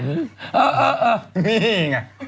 เออนี่ไง